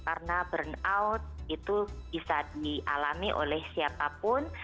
karena burnout itu bisa dialami oleh siapapun